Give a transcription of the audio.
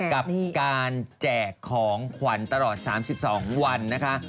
กับการแจกของขวัญตลอด๓๒วันนะคะ